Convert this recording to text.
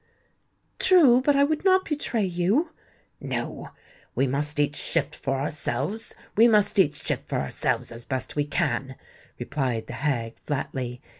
"True. But I would not betray you." "No—we must each shift for ourselves—we must each shift for ourselves, as best we can," replied the hag flatly.